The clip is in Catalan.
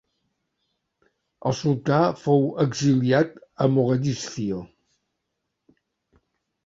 El sultà fou exiliat a Mogadiscio.